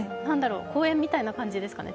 公園みたいな感じですかね？